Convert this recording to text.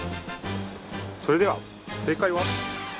それでは正解は？